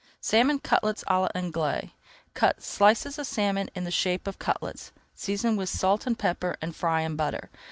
SALMON CUTLETS À L'ANGLAISE Cut slices of salmon in the shape of cutlets, season with salt and pepper and fry in butter.